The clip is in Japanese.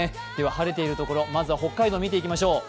晴れているところ、まずは北海道を見ていきましょう。